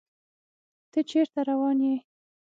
تۀ چېرته روان يې ؟